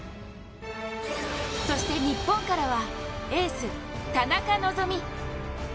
そして日本からはエース・田中希実。